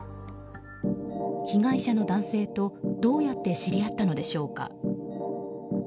被害者の男性と、どうやって知り合ったのでしょうか。